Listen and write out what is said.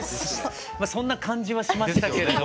まあそんな感じはしましたけれど。